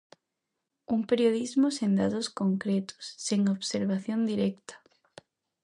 Un periodismo sen datos concretos, sen observación directa.